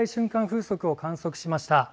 風速を観測しました。